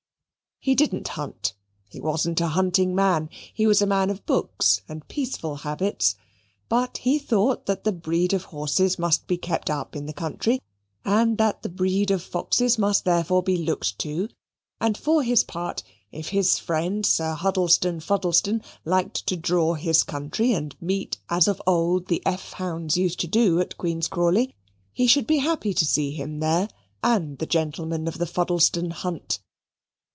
He didn't hunt; he wasn't a hunting man; he was a man of books and peaceful habits; but he thought that the breed of horses must be kept up in the country, and that the breed of foxes must therefore be looked to, and for his part, if his friend, Sir Huddlestone Fuddlestone, liked to draw his country and meet as of old the F. hounds used to do at Queen's Crawley, he should be happy to see him there, and the gentlemen of the Fuddlestone hunt.